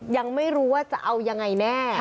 ยังไม่รู้ว่าจะเอายังไงแน่